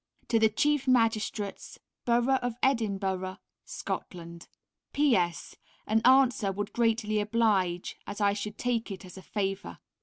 To The Chief Magistrates, Borough of Edinburgh, Scotland. P.S. An answer would greatly oblige as I should take it as a favour.